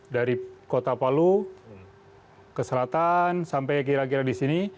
dari kota palu ke selatan sampai kira kira di sini